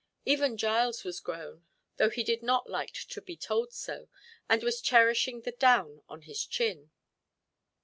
Even Giles was grown, though he did not like to be told so, and was cherishing the down on his chin.